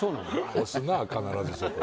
おすなあ必ずそこ